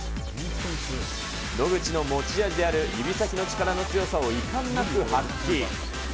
野口の持ち味である指先の力の強さをいかんなく発揮。